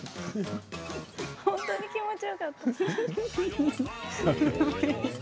本当に気持ちよかった。